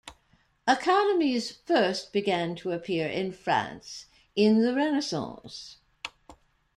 Academies first began to appear in France in the Renaissance.